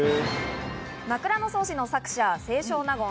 『枕草子』の作者・清少納言。